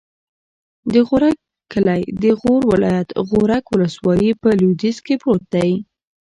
د غورک کلی د غور ولایت، غورک ولسوالي په لویدیځ کې پروت دی.